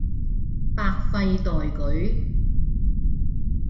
百廢待舉